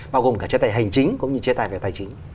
bao gồm cả chế tài hành chính cũng như chế tài về tài chính